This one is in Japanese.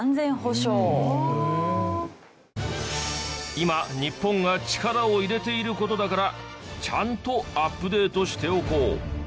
今日本が力を入れている事だからちゃんとアップデートしておこう。